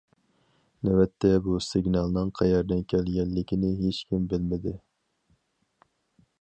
نۆۋەتتە بۇ سىگنالنىڭ قەيەردىن كەلگەنلىكىنى ھېچكىم بىلمىدى.